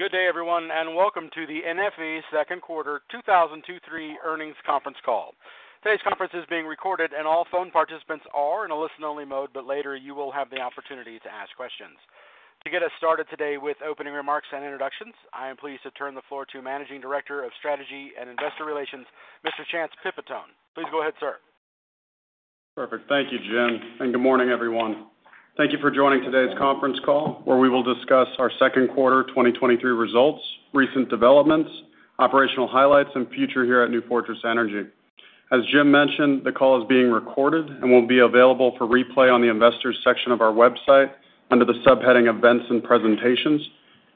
Good day, everyone, and welcome to the NFE second quarter 2023 earnings conference call. Today's conference is being recorded, and all phone participants are in a listen-only mode, but later you will have the opportunity to ask questions. To get us started today with opening remarks and introductions, I am pleased to turn the floor to Managing Director of Strategy and Investor Relations, Mr. Chance Pipitone. Please go ahead, sir. Perfect. Thank you, Jim. Good morning, everyone. Thank you for joining today's conference call, where we will discuss our second quarter 2023 results, recent developments, operational highlights, and future here at New Fortress Energy. As Jim mentioned, the call is being recorded and will be available for replay on the Investors section of our website under the subheading Events and Presentations.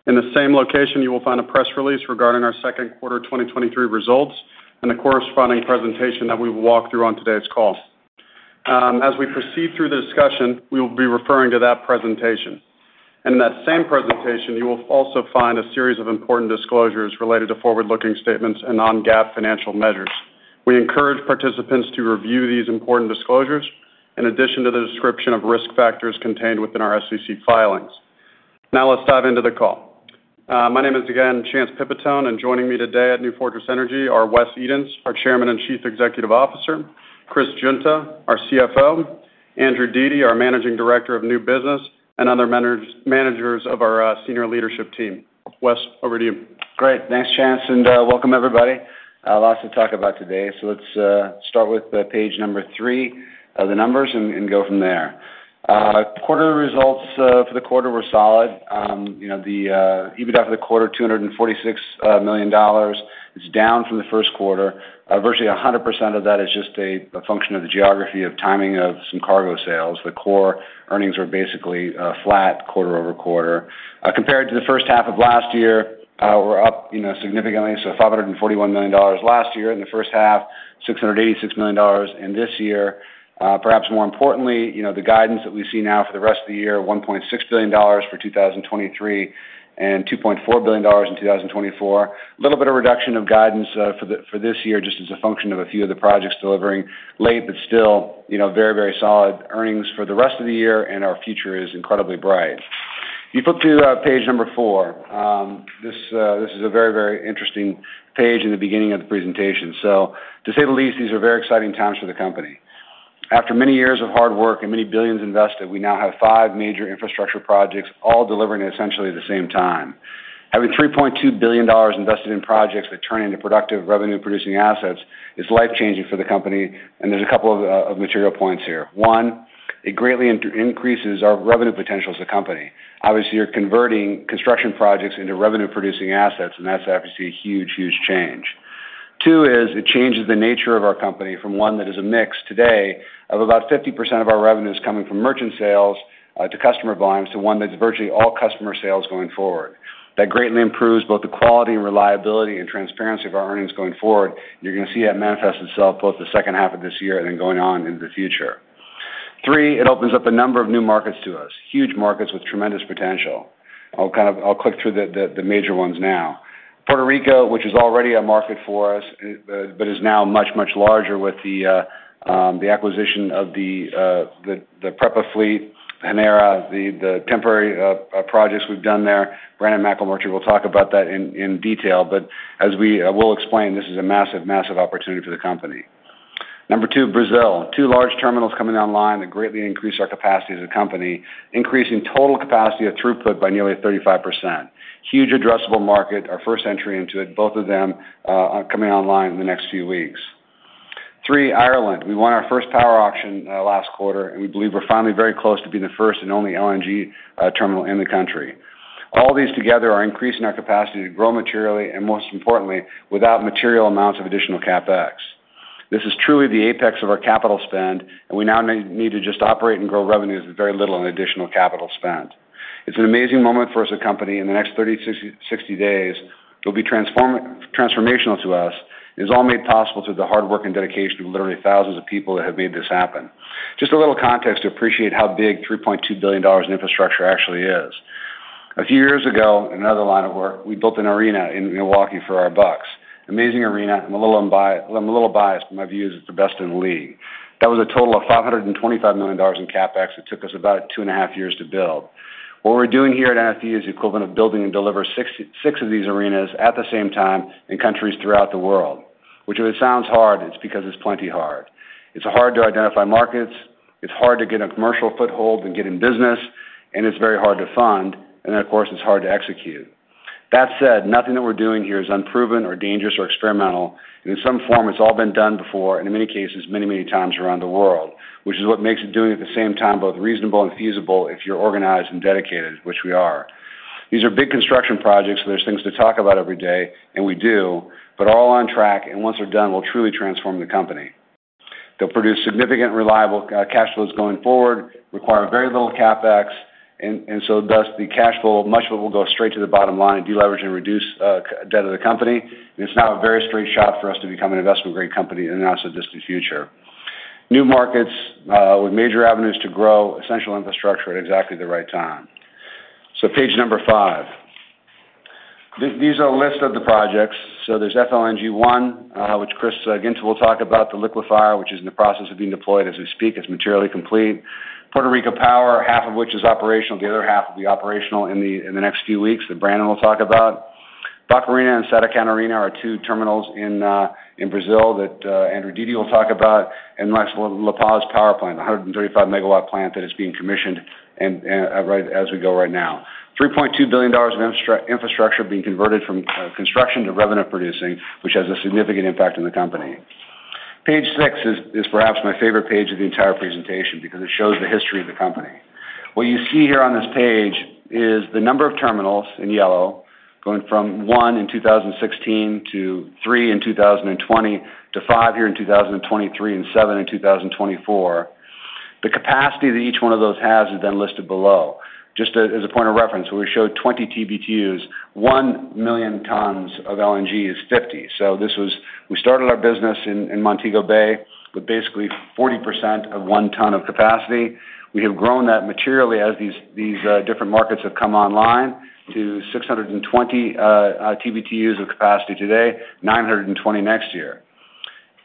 In the same location, you will find a press release regarding our second quarter 2023 results and the corresponding presentation that we will walk through on today's call. As we proceed through the discussion, we will be referring to that presentation. In that same presentation, you will also find a series of important disclosures related to forward-looking statements and non-GAAP financial measures. We encourage participants to review these important disclosures in addition to the description of risk factors contained within our SEC filings. Now, let's dive into the call. My name is, again, Chance Pipitone, joining me today at New Fortress Energy are Wes Edens, our Chairman and Chief Executive Officer, Chris Guinta, our CFO, Andrew Dete, our Managing Director of New Business, and other managers of our senior leadership team. Wes, over to you. Great. Thanks, Chance. Welcome, everybody. Lots to talk about today. Let's start with the Page 3, the numbers, and go from there. Quarter results for the quarter were solid. You know, the EBITDA for the quarter, $246 million. It's down from the first quarter. Virtually 100% of that is just a function of the geography of timing of some cargo sales. The core earnings are basically flat quarter-over-quarter. Compared to the first half of last year, we're up, you know, significantly, $541 million last year in the first half, $686 million in this year. Perhaps more importantly, you know, the guidance that we see now for the rest of the year, $1.6 billion for 2023 and $2.4 billion in 2024. A little bit of reduction of guidance for this year, just as a function of a few of the projects delivering late, but still, you know, very, very solid earnings for the rest of the year, and our future is incredibly bright. If you flip to Page number 4, this, this is a very, very interesting page in the beginning of the presentation. To say the least, these are very exciting times for the company. After many years of hard work and many billions invested, we now have five major infrastructure projects, all delivering essentially at the same time. Having $3.2 billion invested in projects that turn into productive revenue-producing assets is life-changing for the company, and there's a couple of material points here. One, it greatly increases our revenue potential as a company. Obviously, you're converting construction projects into revenue-producing assets, and that's obviously a huge, huge change. Two is it changes the nature of our company from one that is a mix today of about 50% of our revenues coming from merchant sales to customer volumes, to one that's virtually all customer sales going forward. That greatly improves both the quality and reliability and transparency of our earnings going forward. You're going to see that manifest itself both the second half of this year and then going on into the future. Three, it opens up a number of new markets to us, huge markets with tremendous potential. I'll kind of... I'll click through the major ones now. Puerto Rico, which is already a market for us, but is now much, much larger with the acquisition of the Prepa fleet, Genera PR, the temporary projects we've done there. Brannen McMurry will talk about that in detail. As we will explain, this is a massive, massive opportunity for the company. Number two, Brazil. Two large terminals coming online that greatly increase our capacity as a company, increasing total capacity of throughput by nearly 35%. Huge addressable market, our first entry into it, both of them are coming online in the next few weeks. Three, Ireland. We won our first power auction last quarter. We believe we're finally very close to being the first and only LNG terminal in the country. All these together are increasing our capacity to grow materially, and most importantly, without material amounts of additional CapEx. This is truly the apex of our capital spend, and we now need to just operate and grow revenues with very little in additional capital spend. It's an amazing moment for us, as a company. In the next 30-60 days, it'll be transformational to us, and it's all made possible through the hard work and dedication of literally thousands of people that have made this happen. Just a little context to appreciate how big $3.2 billion in infrastructure actually is. A few years ago, another line of work, we built an arena in Milwaukee for our Bucks. Amazing arena. I'm a little biased, but my view is it's the best in the league. That was a total of $525 million in CapEx. It took us about two and a half years to build. What we're doing here at NFE is the equivalent of building and delivering six, six of these arenas at the same time in countries throughout the world, which if it sounds hard, it's because it's plenty hard. It's hard to identify markets, it's hard to get a commercial foothold and get in business, and it's very hard to fund, and then, of course, it's hard to execute. That said, nothing that we're doing here is unproven or dangerous or experimental, and in some form, it's all been done before, and in many cases, many, many times around the world, which is what makes it doing at the same time, both reasonable and feasible if you're organized and dedicated, which we are. These are big construction projects, so there's things to talk about every day, and we do, but all on track, and once they're done, will truly transform the company. They'll produce significant, reliable, cash flows going forward, require very little CapEx, and, and thus the cash flow, much of it will go straight to the bottom line and deleverage and reduce debt of the company. It's now a very straight shot for us to become an investment-grade company in the not-so-distant future. New markets, with major avenues to grow, essential infrastructure at exactly the right time. Page number 5. These are a list of the projects. There's FLNG 1, which Chris Guinta will talk about the liquefier, which is in the process of being deployed as we speak. It's materially complete. Puerto Rico Power, half of which is operational, the other half will be operational in the next few weeks, that Brannen will talk about. Barcarena and Santa Catarina are two terminals in Brazil that Andrew Dete will talk about. La Paz Power Plant, a 135 MW plant that is being commissioned and, right, as we go right now. $3.2 billion of infrastructure being converted from construction to revenue-producing, which has a significant impact on the company. Page 6 is perhaps my favorite page of the entire presentation because it shows the history of the company. What you see here on this page is the number of terminals in yellow, going from one in 2016 to three in 2020, to five here in 2023, and seven in 2024. The capacity that each one of those has is listed below. Just as a point of reference, we showed 20 TBtu, 1 million tons of LNG is 50. This was we started our business in Montego Bay, with basically 40% of 1 ton of capacity. We have grown that materially as these different markets have come online to 620 TBtu of capacity today, 920 next year.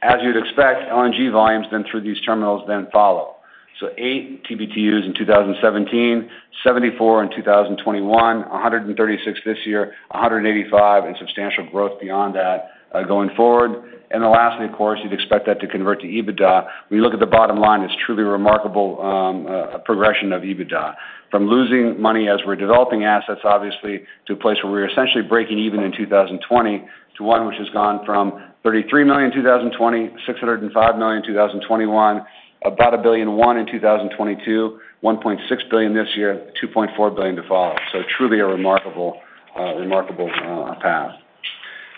As you'd expect, LNG volumes then through these terminals, then follow. Eight TBtu in 2017, 74 in 2021, 136 this year, 185, and substantial growth beyond that, going forward. Lastly, of course, you'd expect that to convert to EBITDA. When you look at the bottom line, it's truly remarkable progression of EBITDA. From losing money as we're developing assets, obviously, to a place where we're essentially breaking even in 2020, to one which has gone from $33 million in 2020, $605 million in 2021, about $1.1 billion in 2022, $1.6 billion this year, $2.4 billion to follow. Truly a remarkable, remarkable path.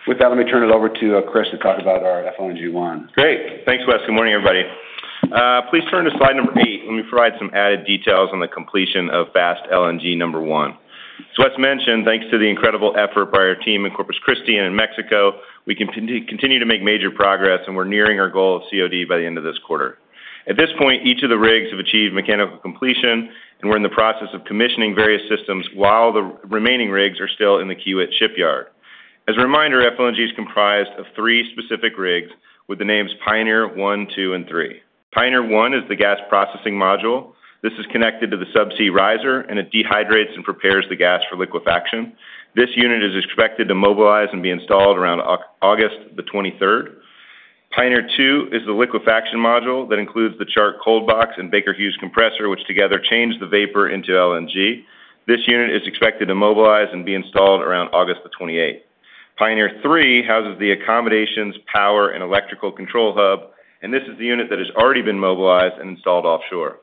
With that, let me turn it over to Chris to talk about our FLNG 1. Great! Thanks, Wes. Good morning, everybody. Please turn to Slide number 8, let me provide some added details on the completion of Fast LNG 1. As mentioned, thanks to the incredible effort by our team in Corpus Christi and in Mexico, we continue to make major progress, and we're nearing our goal of COD by the end of this quarter. At this point, each of the rigs have achieved mechanical completion, and we're in the process of commissioning various systems while the remaining rigs are still in the Kiewit shipyard. As a reminder, FLNG is comprised of three specific rigs with the names Pioneer 1, 2, and 3. Pioneer 1 is the gas processing module. This is connected to the subsea riser, and it dehydrates and prepares the gas for liquefaction. This unit is expected to mobilize and be installed around August the 23rd. Pioneer Two is the liquefaction module that includes the Chart cold box and Baker Hughes compressor, which together change the vapor into LNG. This unit is expected to mobilize and be installed around August the 28th. Pioneer Three houses the accommodations, power, and electrical control hub, and this is the unit that has already been mobilized and installed offshore.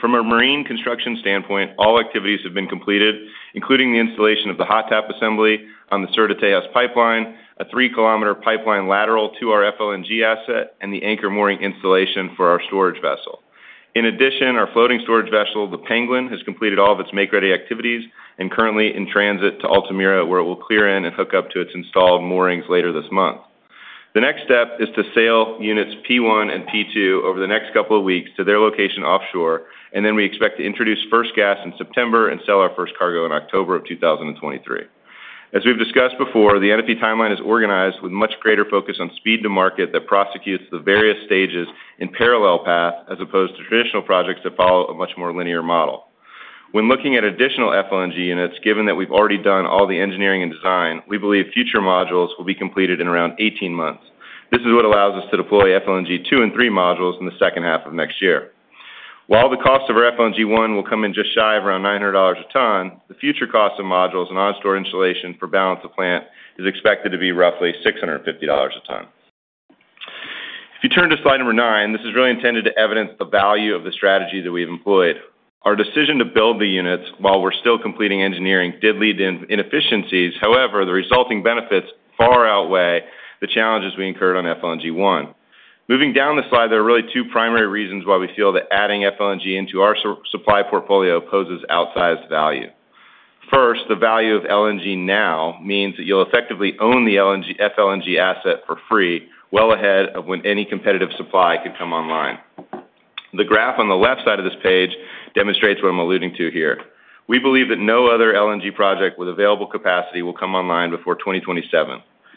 From a marine construction standpoint, all activities have been completed, including the installation of the hot tap assembly on the Sur de Texas-Tuxpan, a 3-km pipeline lateral to our FLNG asset, and the anchor mooring installation for our storage vessel. In addition, our floating storage vessel, the Penguin, has completed all of its make-ready activities and currently in transit to Altamira, where it will clear in and hook up to its installed moorings later this month. The next step is to sail units P1 and P2 over the next couple of weeks to their location offshore, and then we expect to introduce first gas in September and sell our first cargo in October of 2023. As we've discussed before, the NFE timeline is organized with much greater focus on speed to market that prosecutes the various stages in parallel path, as opposed to traditional projects that follow a much more linear model. When looking at additional FLNG units, given that we've already done all the engineering and design, we believe future modules will be completed in around 18 months. This is what allows us to deploy FLNG 2 and 3 modules in the second half of next year. While the cost of our FLNG 1 will come in just shy of around $900 a ton, the future cost of modules and onshore installation for balance of plant is expected to be roughly $650 a ton. If you turn to Slide number 9, this is really intended to evidence the value of the strategy that we've employed. Our decision to build the units while we're still completing engineering, did lead to inefficiencies. However, the resulting benefits far outweigh the challenges we incurred on FLNG 1. Moving down the slide, there are really two primary reasons why we feel that adding FLNG into our supply portfolio poses outsized value. First, the value of LNG now means that you'll effectively own the FLNG asset for free, well ahead of when any competitive supply could come online. The graph on the left side of this page demonstrates what I'm alluding to here.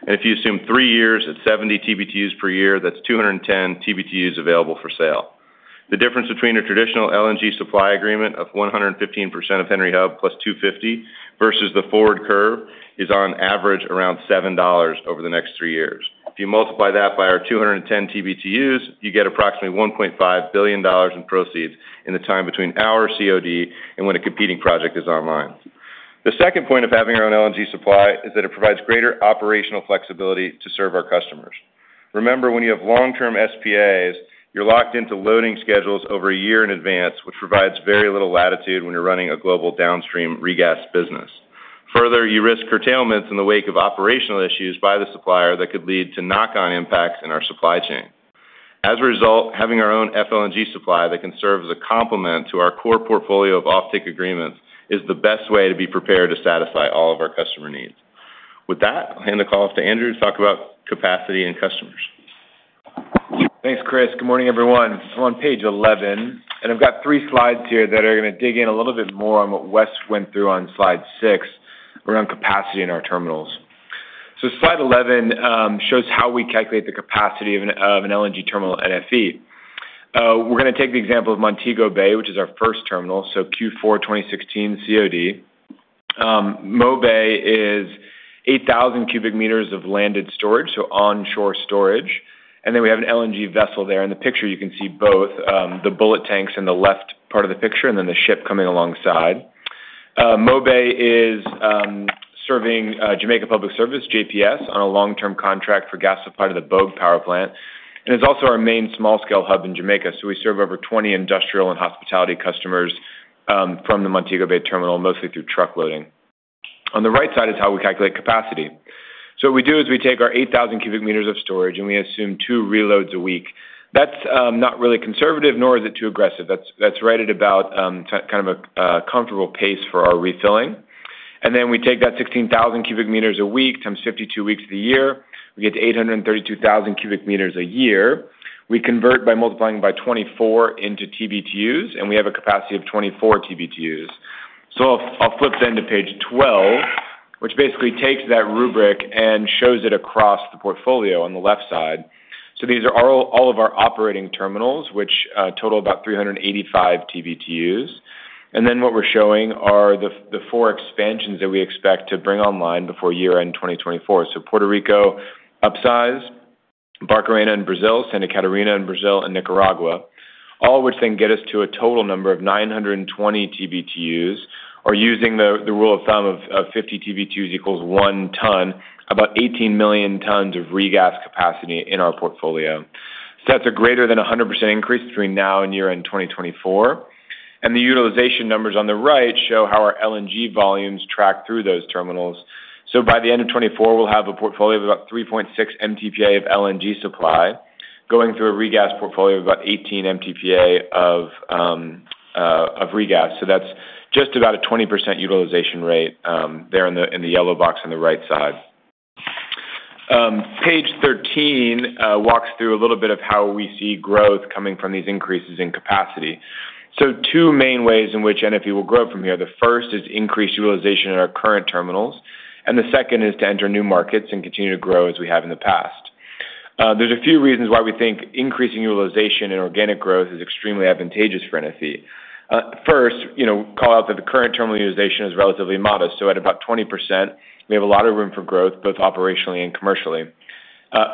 If you assume three years at 70 TBTUs per year, that's 210 TBTUs available for sale. The difference between a traditional LNG supply agreement of 115% of Henry Hub plus $2.50 versus the forward curve, is on average around $7 over the next three years. If you multiply that by our 210 TBTUs, you get approximately $1.5 billion in proceeds in the time between our COD and when a competing project is online. The second point of having our own LNG supply is that it provides greater operational flexibility to serve our customers. Remember, when you have long-term SPAs, you're locked into loading schedules over a year in advance, which provides very little latitude when you're running a global downstream regas business. Further, you risk curtailments in the wake of operational issues by the supplier that could lead to knock-on impacts in our supply chain. As a result, having our own FLNG supply that can serve as a complement to our core portfolio of offtake agreements, is the best way to be prepared to satisfy all of our customer needs. With that, I'll hand the call off to Andrew to talk about capacity and customers. Thanks, Chris. Good morning, everyone. I'm on Page 11, and I've got three slides here that are gonna dig in a little bit more on what Wes went through on Slide 6, around capacity in our terminals. Slide 11 shows how we calculate the capacity of an LNG terminal at NFE. We're going to take the example of Montego Bay, which is our first terminal, Q4 2016 COD. MoBay is 8,000 cubic meters of landed storage, so onshore storage. We have an LNG vessel there. In the picture, you can see both the bullet tanks in the left part of the picture, and then the ship coming alongside. MoBay is serving Jamaica Public Service, JPS, on a long-term contract for gas supply to the Bogue Power Plant, and it's also our main small-scale hub in Jamaica. We serve over 20 industrial and hospitality customers from the Montego Bay terminal, mostly through truck loading. The right side is how we calculate capacity. What we do is we take our 8,000 cubic meters of storage, and we assume two reloads a week. That's not really conservative, nor is it too aggressive. That's, that's right at about kind of a comfortable pace for our refilling. Then we take that 16,000 cubic meters a week, times 52 weeks of the year, we get 832,000 cubic meters a year. We convert by multiplying by 24 into TBtUs, and we have a capacity of 24 TBtUs. I'll, I'll flip then to Page 12, which basically takes that rubric and shows it across the portfolio on the left side. These are all, all of our operating terminals, which total about 385 TBtUs. What we're showing are the four expansions that we expect to bring online before year-end 2024. Puerto Rico, upsize, Barcarena in Brazil, Santa Catarina in Brazil and Nicaragua. All which then get us to a total number of 920 TBtu, or using the rule of thumb of 50 TBtu equals 1 ton, about 18 million tons of regas capacity in our portfolio. That's a greater than 100% increase between now and year-end 2024. The utilization numbers on the right show how our LNG volumes track through those terminals. By the end of 2024, we'll have a portfolio of about 3.6 MTPA of LNG supply, going through a regas portfolio of about 18 MTPA of regas. That's just about a 20% utilization rate there in the yellow box on the right side. Page 13 walks through a little bit of how we see growth coming from these increases in capacity. Two main ways in which NFE will grow from here. The first is increased utilization in our current terminals, and the second is to enter new markets and continue to grow as we have in the past. There's a few reasons why we think increasing utilization and organic growth is extremely advantageous for NFE. First, you know, call out that the current terminal utilization is relatively modest. At about 20%, we have a lot of room for growth, both operationally and commercially.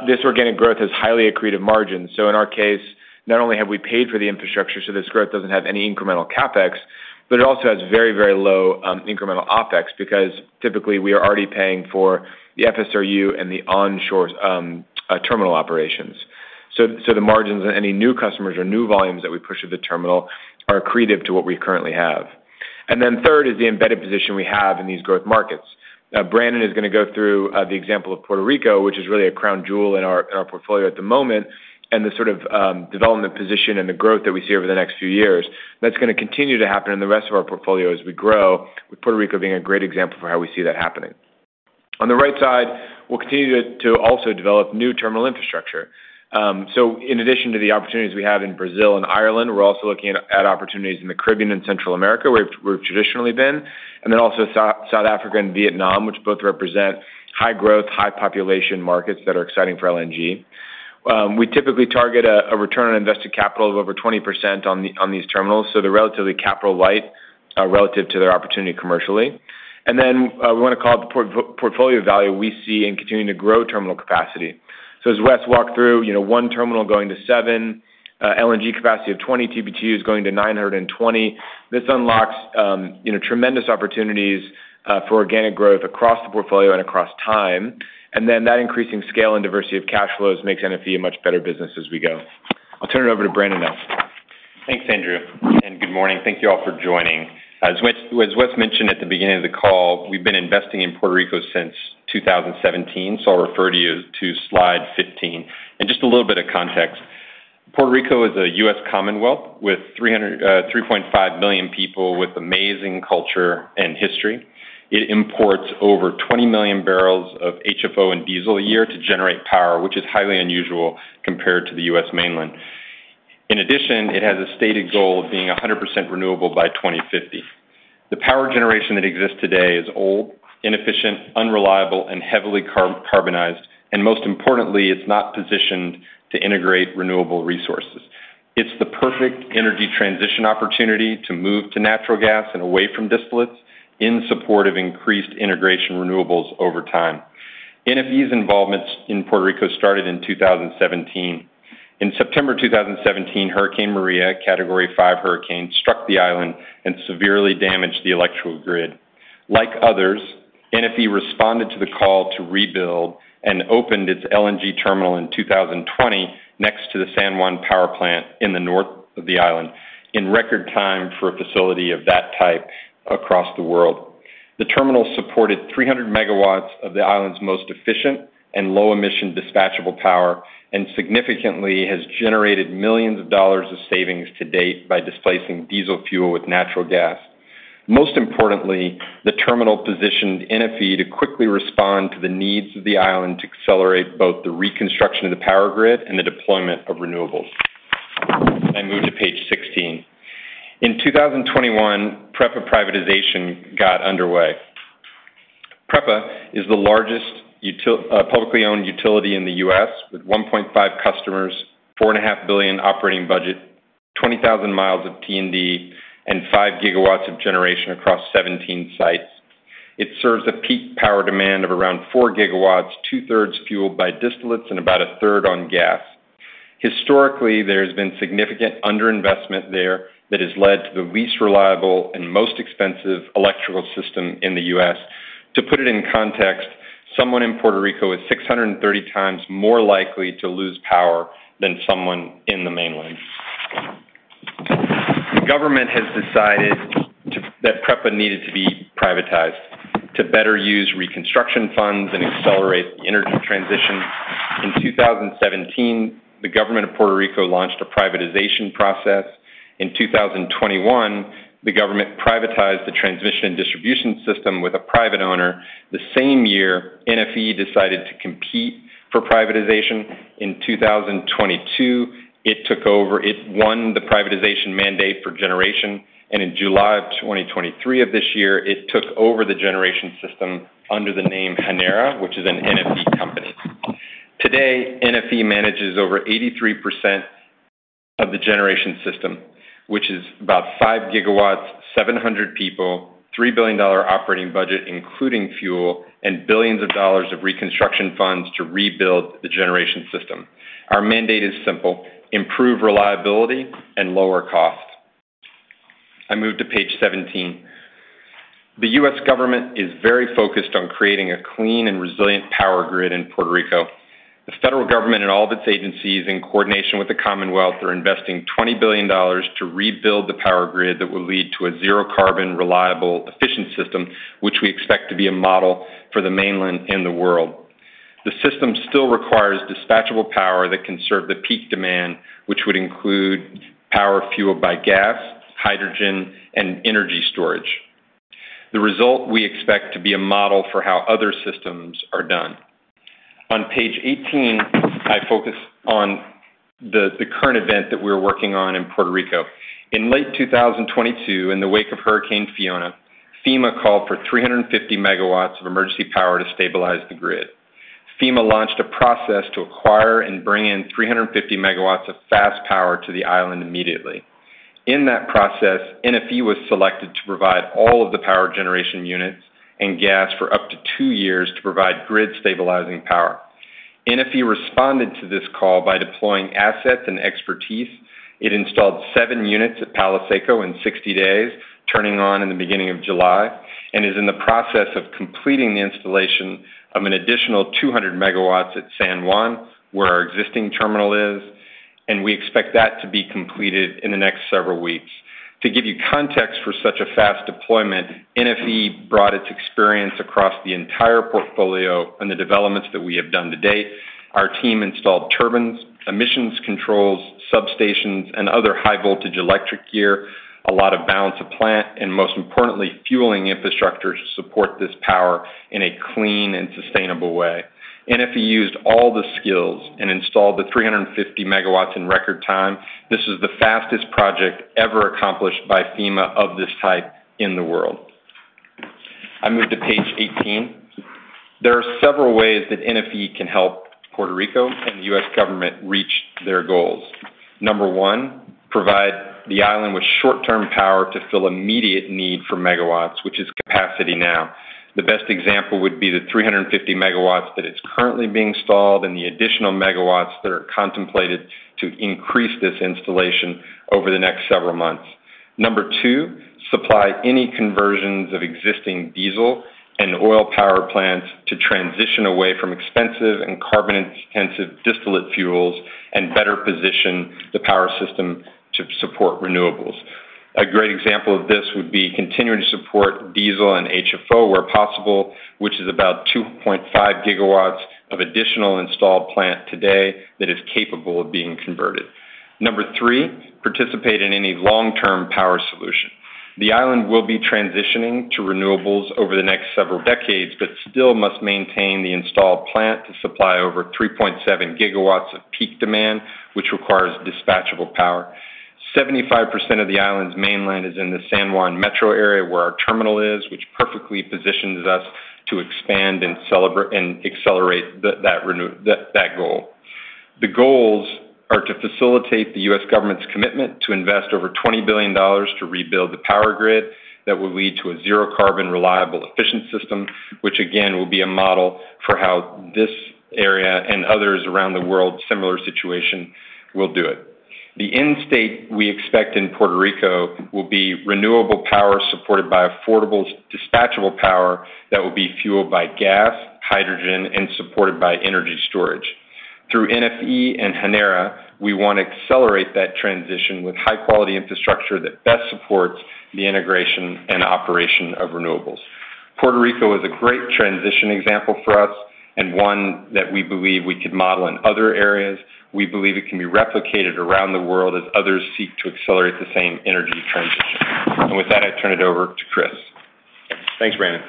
This organic growth has highly accretive margins. In our case, not only have we paid for the infrastructure, so this growth doesn't have any incremental CapEx, but it also has very, very low incremental OpEx, because typically, we are already paying for the FSRU and the onshore terminal operations. The margins on any new customers or new volumes that we push through the terminal are accretive to what we currently have. Third is the embedded position we have in these growth markets. Brannen is going to go through the example of Puerto Rico, which is really a crown jewel in our, in our portfolio at the moment, and the sort of development position and the growth that we see over the next few years. That's going to continue to happen in the rest of our portfolio as we grow, with Puerto Rico being a great example for how we see that happening. On the right side, we'll continue to also develop new terminal infrastructure. In addition to the opportunities we have in Brazil and Ireland, we're also looking at opportunities in the Caribbean and Central America, where we've traditionally been, and then also South Africa and Vietnam, which both represent high growth, high population markets that are exciting for LNG. We typically target a return on invested capital of over 20% on these terminals, so they're relatively capital light relative to their opportunity commercially. We want to call out the portfolio value we see in continuing to grow terminal capacity. As Wes walked through, you know, one terminal going to seven, LNG capacity of 20 TBtUs going to 920. This unlocks, you know, tremendous opportunities for organic growth across the portfolio and across time. Then that increasing scale and diversity of cash flows makes NFE a much better business as we go. I'll turn it over to Brannen now. Thanks, Andrew. Good morning. Thank you all for joining. As Wes, as Wes mentioned at the beginning of the call, we've been investing in Puerto Rico since 2017, so I'll refer to you to Slide 15. Just a little bit of context: Puerto Rico is a U.S. commonwealth with 3.5 million people with amazing culture and history. It imports over 20 million barrels of HFO and diesel a year to generate power, which is highly unusual compared to the U.S. mainland. In addition, it has a stated goal of being 100% renewable by 2050. The power generation that exists today is old, inefficient, unreliable, and heavily carbonized, and most importantly, it's not positioned to integrate renewable resources. It's the perfect energy transition opportunity to move to natural gas and away from distillates in support of increased integration renewables over time. NFE's involvement in Puerto Rico started in 2017. In September 2017, Hurricane Maria, a Category 5 hurricane, struck the island and severely damaged the electrical grid. Like others, NFE responded to the call to rebuild and opened its LNG terminal in 2020, next to the San Juan power plant in the north of the island, in record time for a facility of that type across the world. The terminal supported 300 MW of the island's most efficient and low-emission dispatchable power, and significantly, has generated $ millions of savings to date by displacing diesel fuel with natural gas. Most importantly, the terminal positioned NFE to quickly respond to the needs of the island to accelerate both the reconstruction of the power grid and the deployment of renewables. I move to Page 16. In 2021, PREPA privatization got underway. PREPA is the largest publicly owned utility in the U.S., with 1.5 customers, $4.5 billion operating budget, 20,000 miles of T&D, and 5 GW of generation across 17 sites. It serves a peak power demand of around 4 Gw, two-thirds fueled by distillates and about a third on gas. Historically, there has been significant underinvestment there that has led to the least reliable and most expensive electrical system in the U.S. To put it in context, someone in Puerto Rico is 630 times more likely to lose power than someone in the mainland. The government has decided that PREPA needed to be privatized to better use reconstruction funds and accelerate the energy transition. In 2017, the government of Puerto Rico launched a privatization process. In 2021, the government privatized the transmission and distribution system with a private owner. The same year, NFE decided to compete for privatization. In 2022, it won the privatization mandate for generation, and in July of 2023 of this year, it took over the generation system under the name Genera, which is an NFE company. Today, NFE manages over 83% of the generation system, which is about 5 GW, 700 people, $3 billion operating budget, including fuel and billions of dollars of reconstruction funds to rebuild the generation system. Our mandate is simple: improve reliability and lower costs. I move to Page 17. The U.S. government is very focused on creating a clean and resilient power grid in Puerto Rico. The federal government and all of its agencies, in coordination with the Commonwealth, are investing $20 billion to rebuild the power grid that will lead to a zero-carbon, reliable, efficient system, which we expect to be a model for the mainland and the world. The system still requires dispatchable power that can serve the peak demand, which would include power fueled by gas, hydrogen, and energy storage. The result we expect to be a model for how other systems are done. On Page 18, I focus on the current event that we're working on in Puerto Rico. In late 2022, in the wake of Hurricane Fiona, FEMA called for 350 MW of emergency power to stabilize the grid. FEMA launched a process to acquire and bring in 350 MW of fast power to the island immediately. In that process, NFE was selected to provide all of the power generation units and gas for up to two years to provide grid-stabilizing power. NFE responded to this call by deploying assets and expertise. It installed 7 units at Palo Seco in 60 days, turning on in the beginning of July, and is in the process of completing the installation of an additional 200 MW at San Juan, where our existing terminal is, and we expect that to be completed in the next several weeks. To give you context for such a fast deployment, NFE brought its experience across the entire portfolio and the developments that we have done to date. Our team installed turbines, emissions controls, substations, and other high-voltage electric gear, a lot of balance of plant, and most importantly, fueling infrastructure to support this power in a clean and sustainable way. NFE used all the skills and installed the 350 MW in record time. This is the fastest project ever accomplished by FEMA of this type in the world. I move to Page 18. There are several ways that NFE can help Puerto Rico and the U.S. government reach their goals. Number one, provide the island with short-term power to fill immediate need for megawatts, which is capacity now. The best example would be the 350 MW that is currently being installed and the additional megawatts that are contemplated to increase this installation over the next several months. Number two, supply any conversions of existing diesel and oil power plants to transition away from expensive and carbon-intensive distillate fuels and better position the power system to support renewables. A great example of this would be continuing to support diesel and HFO where possible, which is about 2.5 GW of additional installed plant today that is capable of being converted. Number three, participate in any long-term power solution. The island will be transitioning to renewables over the next several decades, but still must maintain the installed plant to supply over 3.7 GW of peak demand, which requires dispatchable power. 75% of the island's mainland is in the San Juan metro area, where our terminal is, which perfectly positions us to expand and celebr-- and accelerate that goal. The goals are to facilitate the U.S. government's commitment to invest over $20 billion to rebuild the power grid. That will lead to a zero-carbon, reliable, efficient system, which again, will be a model for how this area and others around the world, similar situation, will do it. The end state we expect in Puerto Rico will be renewable power, supported by affordable, dispatchable power that will be fueled by gas, hydrogen, and supported by energy storage. Through NFE and Genera PR, we want to accelerate that transition with high-quality infrastructure that best supports the integration and operation of renewables. Puerto Rico is a great transition example for us, and one that we believe we could model in other areas. We believe it can be replicated around the world as others seek to accelerate the same energy transition. With that, I turn it over to Chris. Thanks, Brannen.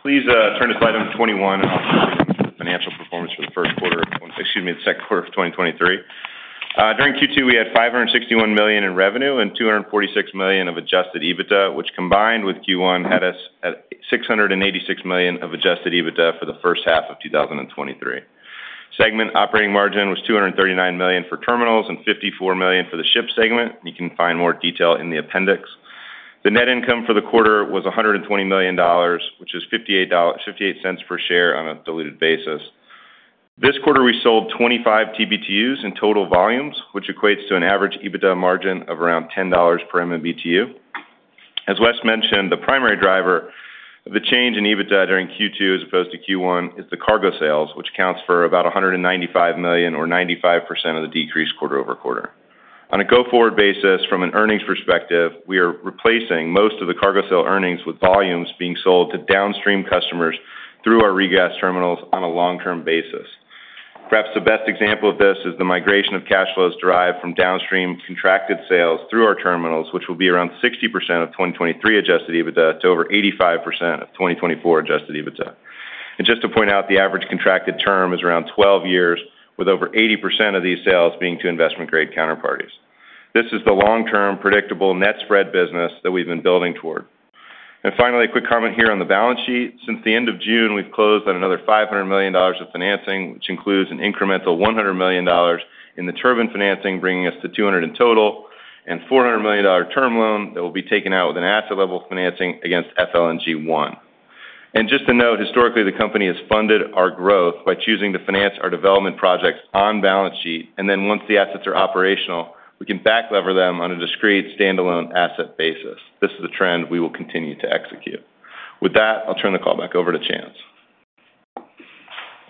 Please turn to Slide number 21 for the first quarter, excuse me, the second quarter of 2023. During Q2, we had $561 million in revenue and $246 million of Adjusted EBITDA, which combined with Q1, had us at $686 million of Adjusted EBITDA for the first half of 2023. Segment operating margin was $239 million for terminals and $54 million for the ship segment. You can find more detail in the appendix. The net income for the quarter was $120 million, which is $0.58 per share on a diluted basis. This quarter, we sold 25 TBtu in total volumes, which equates to an average EBITDA margin of around $10 per MMBTU. As Wes Edens mentioned, the primary driver of the change in EBITDA during Q2 as opposed to Q1, is the cargo sales, which accounts for about $195 million or 95% of the decrease quarter-over-quarter. On a go-forward basis, from an earnings perspective, we are replacing most of the cargo sale earnings with volumes being sold to downstream customers through our regas terminals on a long-term basis. Perhaps the best example of this is the migration of cash flows derived from downstream contracted sales through our terminals, which will be around 60% of 2023 Adjusted EBITDA to over 85% of 2024 Adjusted EBITDA. Just to point out, the average contracted term is around 12 years, with over 80% of these sales being to investment-grade counterparties. This is the long-term, predictable net spread business that we've been building toward. Finally, a quick comment here on the balance sheet. Since the end of June, we've closed on another $500 million of financing, which includes an incremental $100 million in the turbine financing, bringing us to $200 in total, and $400 million term loan that will be taken out with an asset-level financing against FLNG 1. Just to note, historically, the company has funded our growth by choosing to finance our development projects on balance sheet, and then once the assets are operational, we can back lever them on a discrete standalone asset basis. This is a trend we will continue to execute. With that, I'll turn the call back over to Chance.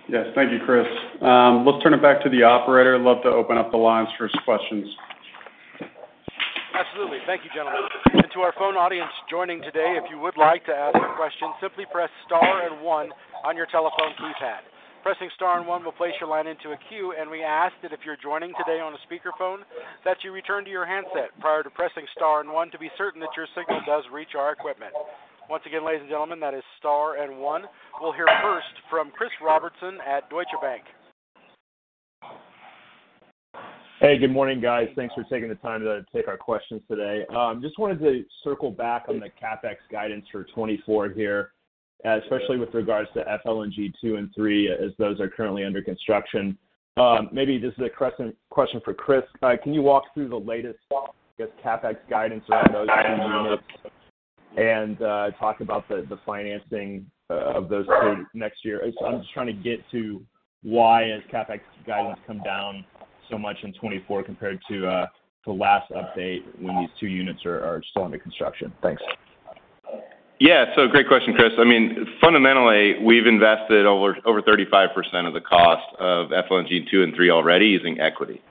Yes, thank you, Chris. Let's turn it back to the operator. I'd love to open up the lines for some questions. Absolutely. Thank you, gentlemen. To our phone audience joining today, if you would like to ask a question, simply press star and one on your telephone keypad. Pressing star and one will place your line into a queue, and we ask that if you're joining today on a speakerphone, that you return to your handset prior to pressing star and one to be certain that your signal does reach our equipment. Once again, ladies and gentlemen, that is star and one. We'll hear first from Chris Robertson at Deutsche Bank. Hey, good morning, guys. Thanks for taking the time to take our questions today. Just wanted to circle back on the CapEx guidance for 2024 here, especially with regards to FLNG 2 and 3, as those are currently under construction. Maybe this is a question for Chris. Can you walk through the latest, I guess, CapEx guidance around those two units and, talk about the, the financing, of those two next year? I'm just trying to get to why has CapEx guidance come down so much in 2024 compared to, to last update, when these two units are, are still under construction? Thanks. Yeah, great question, Chris. I mean fundamentally, we've invested over, over 35% of the cost of FLNG 2 and 3 already using equity.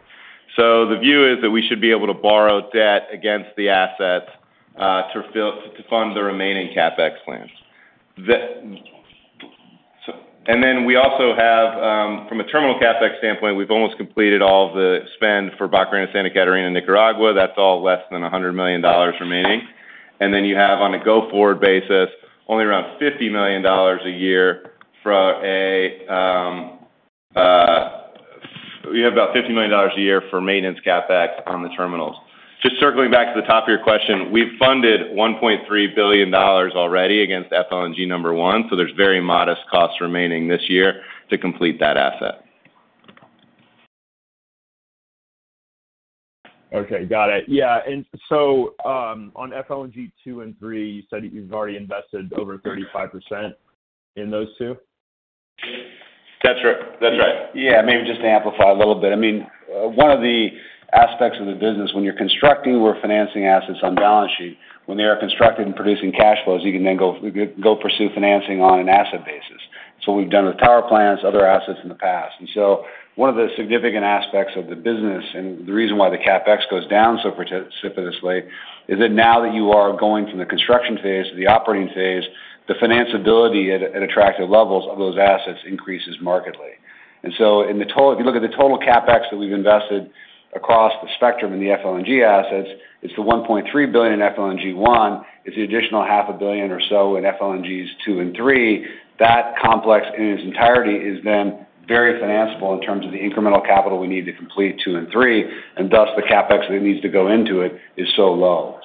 The view is that we should be able to fund the remaining CapEx plans. Then we also have, from a terminal CapEx standpoint, we've almost completed all the spend for Barcarena and Santa Catarina, Nicaragua. That's all less than $100 million remaining. Then you have, on a go-forward basis, only around $50 million a year for maintenance CapEx on the terminals. Just circling back to the top of your question, we've funded $1.3 billion already against FLNG 1, there's very modest costs remaining this year to complete that asset. Okay, got it. Yeah, so, on FLNG 2 and 3, you said you've already invested over 35% in those 2? That's right. That's right. Yeah, maybe just to amplify a little bit. I mean, one of the aspects of the business, when you're constructing or financing assets on balance sheet, when they are constructed and producing cash flows, you can then go, go pursue financing on an asset basis. We've done with power plants, other assets in the past. One of the significant aspects of the business, and the reason why the CapEx goes down so precipitously, is that now that you are going from the construction phase to the operating phase, the financability at, at attractive levels of those assets increases markedly. If you look at the total CapEx that we've invested across the spectrum in the FLNG assets, it's the $1.3 billion in FLNG 1, it's the additional $500 million or so in FLNGs 2 and 3. That complex in its entirety is very financeable in terms of the incremental capital we need to complete 2 and 3, and thus, the CapEx that needs to go into it is so low.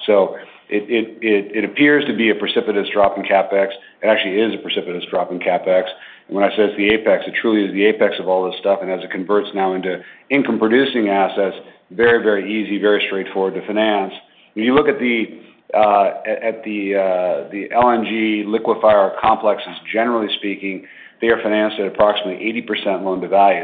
It, it, it, it appears to be a precipitous drop in CapEx. It actually is a precipitous drop in CapEx. When I say it's the apex, it truly is the apex of all this stuff, and as it converts now into income-producing assets, very, very easy, very straightforward to finance. When you look at the, at, at the, the LNG liquefier complexes, generally speaking, they are financed at approximately 80% loan-to-value.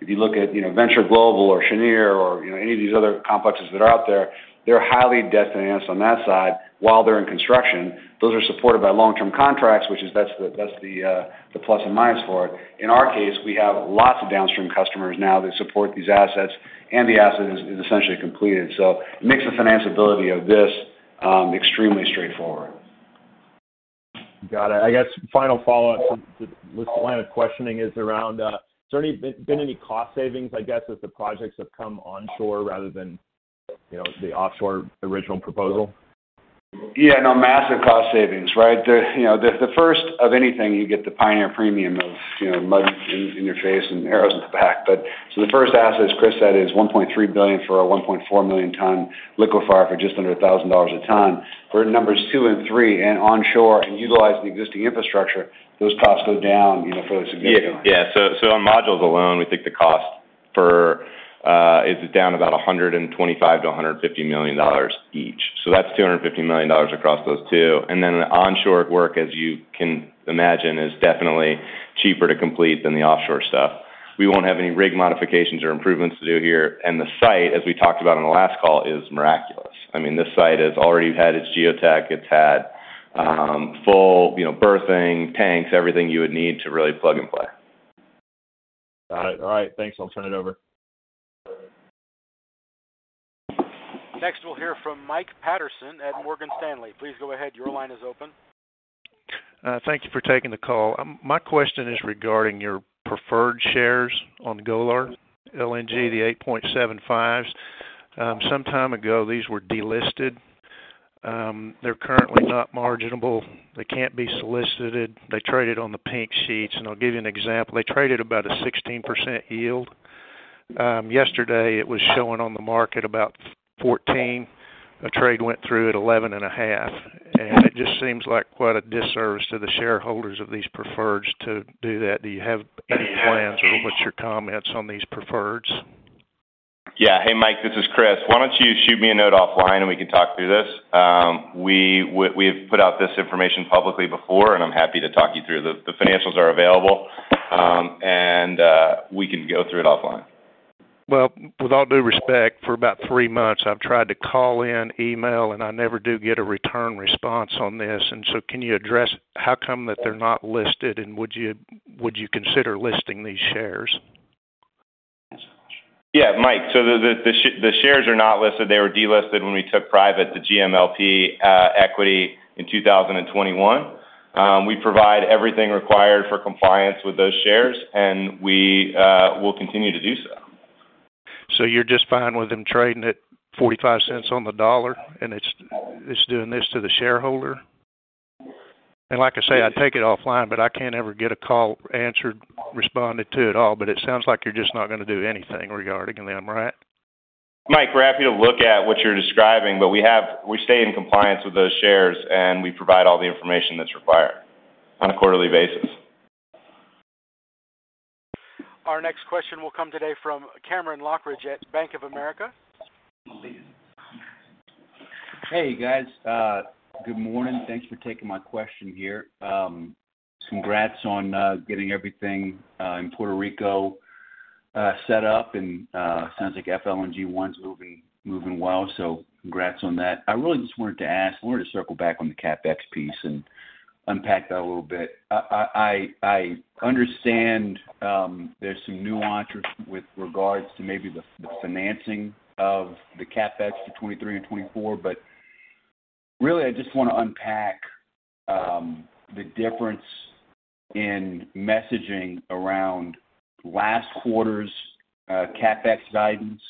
If you look at, you know, Venture Global or Cheniere or, you know, any of these other complexes that are out there, they're highly debt financed on that side while they're in construction. Those are supported by long-term contracts, which that's the, that's the plus and minus for it. In our case, we have lots of downstream customers now that support these assets, and the asset is, is essentially completed, so it makes the financability of this extremely straightforward. Got it. I guess final follow-up with line of questioning is around, been any cost savings, I guess, as the projects have come onshore rather than, you know, the offshore original proposal? Yeah, no massive cost savings, right? The, you know, the, the first of anything, you get the pioneer premium of, you know, mud in, in your face and arrows in the back. The first asset, as Chris said, is $1.3 billion for a 1.4 million ton liquefier for just under $1,000 a ton. For numbers 2 and 3, and onshore, and utilizing the existing infrastructure, those costs go down, you know, fairly significantly. Yeah. So, so on modules alone, we think the cost for, is down about $125 million-$150 million each. That's $250 million across those two. The onshore work, as you can imagine, is definitely cheaper to complete than the offshore stuff. We won't have any rig modifications or improvements to do here, and the site, as we talked about on the last call, is miraculous. I mean, this site has already had its geotech. It's had, full, you know, berthing, tanks, everything you would need to really plug and play. All right. All right, thanks. I'll turn it over. Next, we'll hear from Michael Patterson at Morgan Stanley. Please go ahead. Your line is open. Thank you for taking the call. My question is regarding your preferred shares on Golar LNG, the 8.75s. Some time ago, these were delisted. They're currently not marginable. They can't be solicited. They traded on the pink sheets, and I'll give you an example. They traded about a 16% yield. Yesterday, it was showing on the market about 14. A trade went through at 11.5, and it just seems like quite a disservice to the shareholders of these preferreds to do that. Do you have any plans, or what's your comments on these preferreds? Yeah. Hey, Michael Patterson, this is Chris Guinta. Why don't you shoot me a note offline, and we can talk through this? We have put out this information publicly before, and I'm happy to talk you through the financials are available, and we can go through it offline. Well, with all due respect, for about three months, I've tried to call in, email, and I never do get a return response on this. Can you address how come that they're not listed, and would you, would you consider listing these shares? Yeah, Mike. The shares are not listed. They were delisted when we took private the GMLP equity in 2021. We provide everything required for compliance with those shares, and we will continue to do so. You're just fine with them trading at $0.45, and it's, it's doing this to the shareholder? Like I say, I'd take it offline, but I can't ever get a call answered, responded to at all. It sounds like you're just not going to do anything regarding them, right? Mike, we're happy to look at what you're describing, but we stay in compliance with those shares, and we provide all the information that's required on a quarterly basis. Our next question will come today from Cameron Lochridge at Bank of America. Hey, guys. Good morning. Thanks for taking my question here. Congrats on getting everything in Puerto Rico set up, and sounds like FLNG 1's moving, moving well, so congrats on that. I really just wanted to circle back on the CapEx piece and unpack that a little bit. I understand there's some nuances with regards to maybe the, the financing of the CapEx to 2023 and 2024, but really, I just want to unpack the difference in messaging around last quarter's CapEx guidance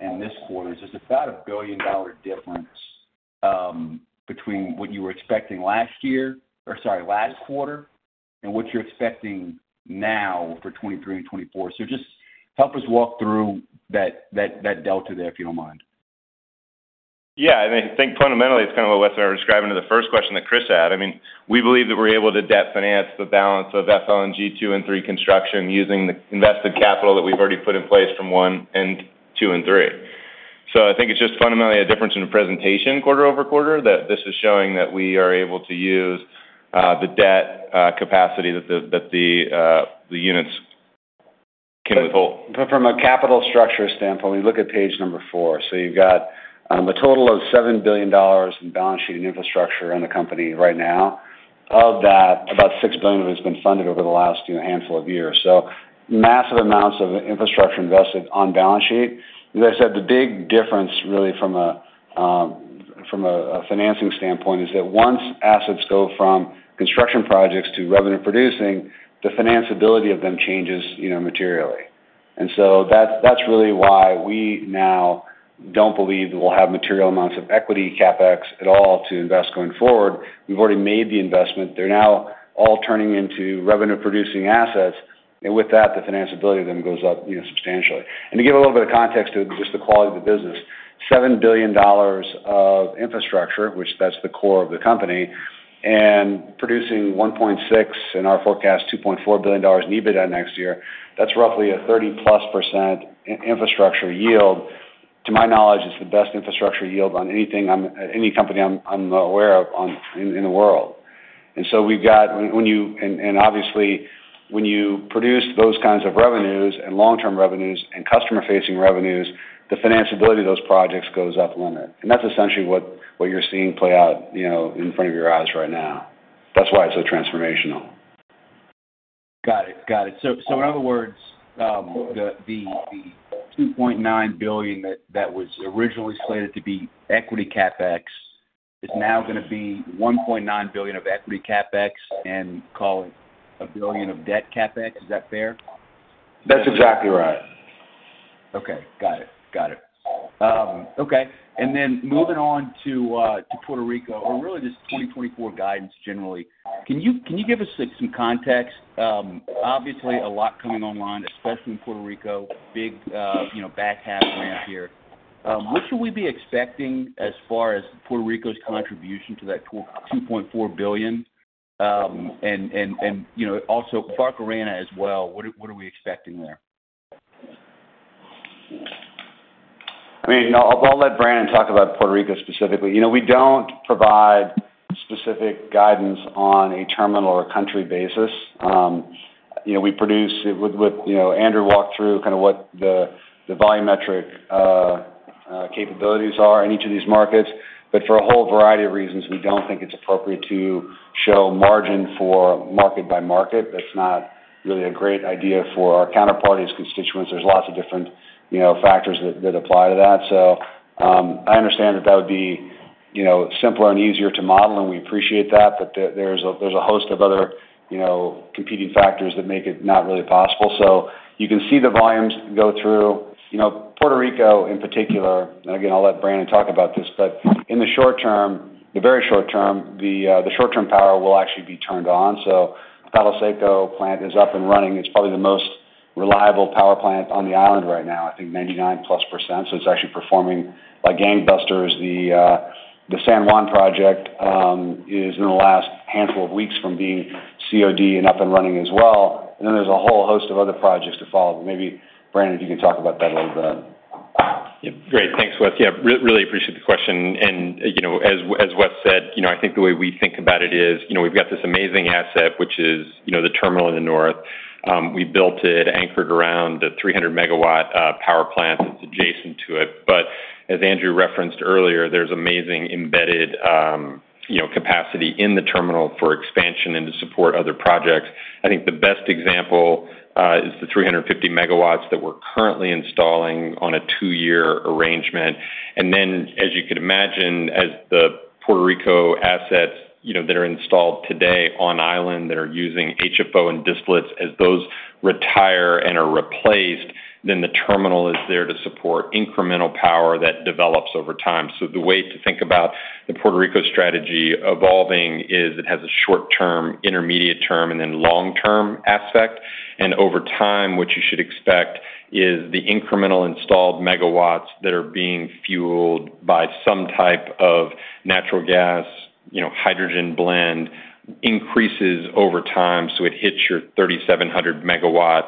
and this quarter's. There's about a billion-dollar difference between what you were expecting last quarter, and what you're expecting now for 2023 and 2024. Just help us walk through that delta there, if you don't mind. Yeah, I mean, I think fundamentally, it's kind of what I was describing to the first question that Chris had. I mean, we believe that we're able to debt finance the balance of FLNG 2 and 3 construction using the invested capital that we've already put in place from one and two and three. I think it's just fundamentally a difference in the presentation quarter-over-quarter, that this is showing that we are able to use the debt capacity that the, that the, the units can hold. From a capital structure standpoint, we look at Page number 4. You've got a total of $7 billion in balance sheet and infrastructure in the company right now. Of that, about $6 billion has been funded over the last handful of years. Massive amounts of infrastructure invested on balance sheet. As I said, the big difference, really, from a, from a, a financing standpoint is that once assets go from construction projects to revenue producing, the financability of them changes, you know, materially. That's, that's really why we now don't believe that we'll have material amounts of equity CapEx at all to invest going forward. We've already made the investment. They're now all turning into revenue-producing assets, and with that, the financability then goes up, you know, substantially. To give a little bit of context to just the quality of the business, $7 billion of infrastructure, which that's the core of the company, and producing 1.6 in our forecast, $2.4 billion in EBITDA next year, that's roughly a 30%+ in- infrastructure yield. To my knowledge, it's the best infrastructure yield on anything, any company I'm, I'm aware of on, in, in the world. We've got. When you-- and, and obviously, when you produce those kinds of revenues and long-term revenues and customer-facing revenues, the financability of those projects goes up limit. That's essentially what, what you're seeing play out, you know, in front of your eyes right now. That's why it's so transformational. Got it. Got it. In other words, $2.9 billion was originally slated to be equity CapEx is now going to be $1.9 billion of equity CapEx and call it $1 billion of debt CapEx. Is that fair? That's exactly right. Okay, got it. Got it. Okay, moving on to Puerto Rico or really just 2024 guidance generally. Can you, can you give us, like, some context? Obviously, a lot coming online, especially in Puerto Rico, big, you know, back half ramp here. What should we be expecting as far as Puerto Rico's contribution to that $2.4 billion? You know, also, Barcarena as well, what are, what are we expecting there? I mean, I'll, I'll let Brannen talk about Puerto Rico specifically. You know, we don't provide specific guidance on a terminal or country basis. You know, we produce with, with, Andrew walked through kind of what the volumetric capabilities are in each of these markets. For a whole variety of reasons, we don't think it's appropriate to show margin for market by market. That's not really a great idea for our counterparties, constituents. There's lots of different, you know, factors that, that apply to that. I understand that, that would be, you know, simpler and easier to model, and we appreciate that, but there, there's a, there's a host of other, you know, competing factors that make it not really possible. You can see the volumes go through. You know, Puerto Rico, in particular, and again, I'll let Brannen talk about this, but in the short term, the very short term, the short-term power will actually be turned on. The Palo Seco plant is up and running. It's probably the most reliable power plant on the island right now, I think 99%. It's actually performing like gangbusters. The San Juan project is in the last handful of weeks from being COD and up and running as well. Then there's a whole host of other projects to follow. Maybe, Brannen, you can talk about that a little bit. Yeah. Great. Thanks, Wes. Yeah, really appreciate the question. You know, as, as Wes said, you know, I think the way we think about it is, you know, we've got this amazing asset, which is, you know, the terminal in the north. We built it anchored around the 300 MW power plant that's adjacent to it. As Andrew referenced earlier, there's amazing embedded, you know, capacity in the terminal for expansion and to support other projects. I think the best example is the 350 MW that we're currently installing on a two-year arrangement. As you could imagine, as the Puerto Rico assets, you know, that are installed today on island, that are using HFO and distillates, as those retire and are replaced, then the terminal is there to support incremental power that develops over time. The way to think about the Puerto Rico strategy evolving is it has a short term, intermediate term, and then long-term aspect. Over time, what you should expect is the incremental installed megawatts that are being fueled by some type of natural gas, you know, hydrogen blend, increases over time, so it hits your 3,700 MW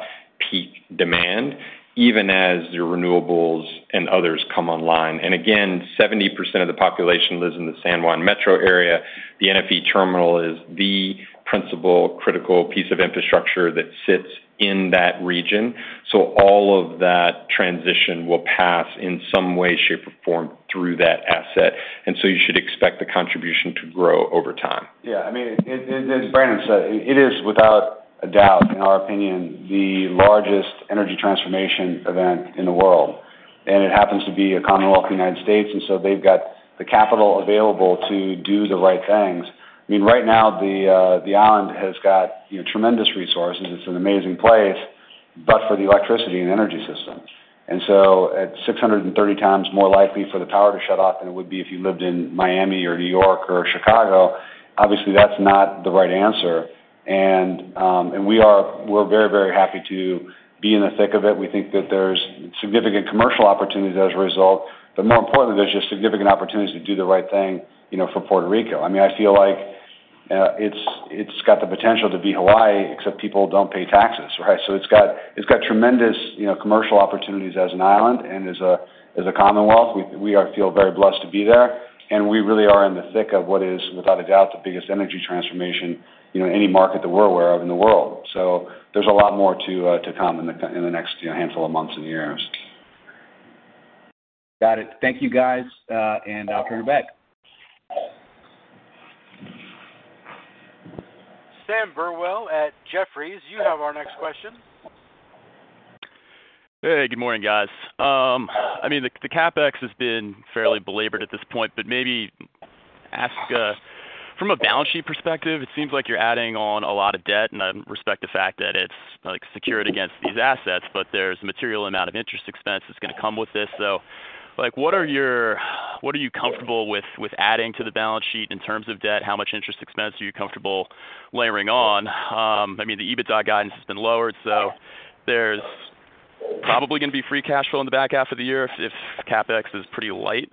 peak demand, even as your renewables and others come online. Again, 70% of the population lives in the San Juan metro area. The NFE terminal is the principal critical piece of infrastructure that sits in that region. All of that transition will pass in some way, shape, or form through that asset, and so you should expect the contribution to grow over time. Yeah, I mean, as, as, as Brannen said, it is without a doubt, in our opinion, the largest energy transformation event in the world, and it happens to be a commonwealth of the United States, and so they've got the capital available to do the right things. I mean, right now, the island has got tremendous resources. It's an amazing place, but for the electricity and energy system. So at 630 times more likely for the power to shut off than it would be if you lived in Miami or New York or Chicago, obviously, that's not the right answer. We're very, very happy to be in the thick of it. We think that there's significant commercial opportunities as a result, but more importantly, there's just significant opportunities to do the right thing, you know, for Puerto Rico. I mean, I feel like it's, it's got the potential to be Hawaii, except people don't pay taxes, right? It's got, it's got tremendous, you know, commercial opportunities as an island and as a, as a commonwealth. We feel very blessed to be there, and we really are in the thick of what is, without a doubt, the biggest energy transformation, you know, any market that we're aware of in the world. There's a lot more to come in the, in the next, you know, handful of months and years. Got it. Thank you, guys, I'll turn it back. Sam Burwell at Jefferies, you have our next question. Hey, good morning, guys. I mean, the, the CapEx has been fairly belabored at this point, but maybe ask, from a balance sheet perspective, it seems like you're adding on a lot of debt, and I respect the fact that it's, like, secured against these assets, but there's a material amount of interest expense that's gonna come with this. Like, what are you comfortable with, with adding to the balance sheet in terms of debt? How much interest expense are you comfortable layering on? I mean, the EBITDA guidance has been lowered, so there's probably gonna be free cash flow in the back half of the year if, if CapEx is pretty light.